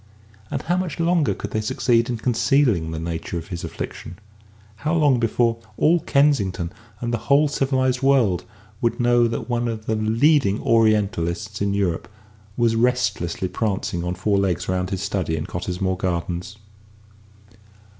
And how much longer could they succeed in concealing the nature of his affliction? How long before all Kensington, and the whole civilised world, would know that one of the leading Orientalists in Europe was restlessly prancing on four legs around his study in Cottesmore Gardens?